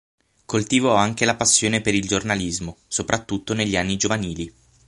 Coltivò anche la passione per il giornalismo, soprattutto negli anni giovanili.